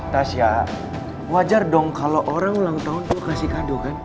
tasya wajar dong kalo orang ulang tahun lo kasih kado kan